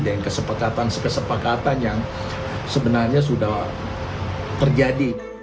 dengan kesepakatan kesepakatan yang sebenarnya sudah terjadi